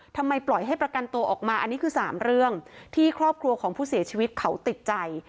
ทำไมปล่อยให้ประกันตัวออกมาอันนี้คือ๓เรื่องที่ครอบครัวของผู้เสียชีวิตเขาติดใจ